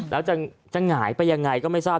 แล้วจะหงายไปยังไงก็ไม่ทราบ